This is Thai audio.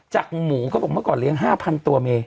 หมูเขาบอกเมื่อก่อนเลี้ยง๕๐๐ตัวเม